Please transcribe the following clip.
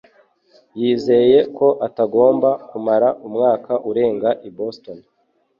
yizeye ko atagomba kumara umwaka urenga i Boston